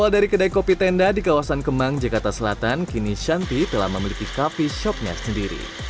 awal dari kedai kopi tenda di kawasan kemang jakarta selatan kini shanti telah memiliki coffee shopnya sendiri